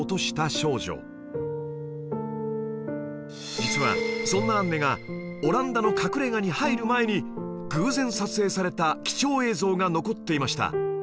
実はそんなアンネがオランダの隠れ家に入る前に偶然撮影された貴重映像が残っていました